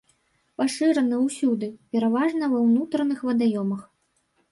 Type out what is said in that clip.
Пашыраны ўсюды, пераважна ва ўнутраных вадаёмах.